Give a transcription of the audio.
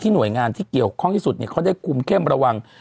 หน่วยงานที่เกี่ยวข้องที่สุดเขาได้คุมเข้มระวัง